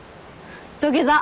土下座。